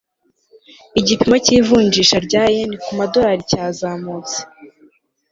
igipimo cy'ivunjisha rya yen ku madorari cyazamutse